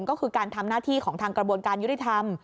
ก็คือการทำหน้าที่ของทางกระบวนการยุติธรรม